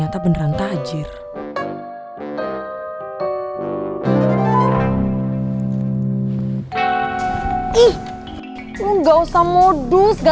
ada romantis romantisan lebih romantis tau bisa kasih fokus ga